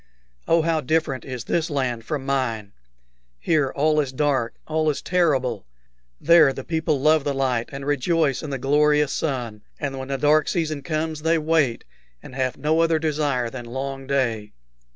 Oh, how different is this land from mine! Here all is dark, all is terrible. There the people love the light and rejoice in the glorious sun, and when the dark season comes they wait, and have no other desire than long day.